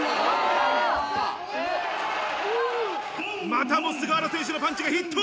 またも菅原選手のパンチがヒット。